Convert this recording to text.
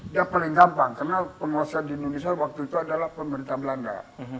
dia paling gampang karena penguasa di indonesia waktu itu adalah pemerintah belanda